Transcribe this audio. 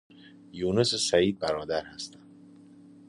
یونس و سعید برادر هستند.